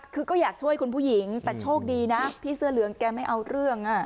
คือก็อยากช่วยคุณผู้หญิงแต่โชคดีนะพี่เสื้อเหลืองแกไม่เอาเรื่อง